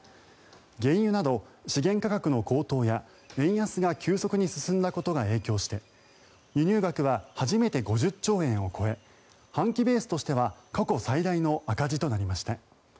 原油など資源価格の高騰や円安が急速に進んだことが影響して輸入額は初めて５０兆円を超え半期ベースとしては過去最大の赤字となりました。